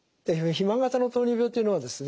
肥満型の糖尿病っていうのはですね